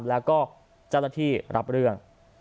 แล้วก็เจ้าหน้าที่รับเรื่อง